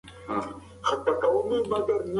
هره ستونزه د زدهکړې فرصت ورکوي.